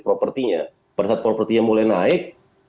propertinya pada saat propertinya mulai naik